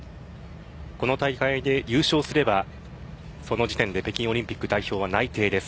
この大会で優勝すればその時点で北京オリンピック代表内定です。